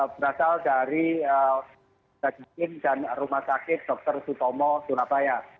berasal dari dagi klin dan rumah sakit dr sutomo dunabaya